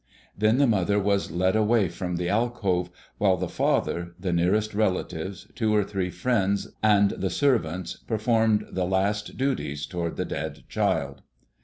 Then the mother was led away from the alcove, while the father, the nearest relatives, two or three friends, and the servants performed the last duties toward the dead child.